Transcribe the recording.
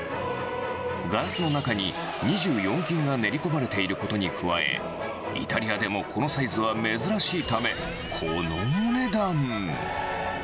ガラスの中に２４金が練り込まれていることに加え、イタリアでもこのサイズは珍しいため、このお値段。